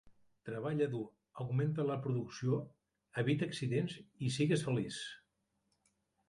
Treballa dur, augmenta la producció, evita accidents i sigues feliç.